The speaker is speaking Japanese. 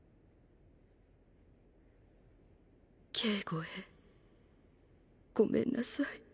「啓悟へごめんなさい。